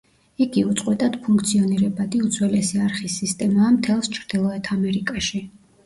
იგი უწყვეტად ფუნქციონირებადი უძველესი არხის სისტემაა მთელს ჩრდილოეთ ამერიკაში.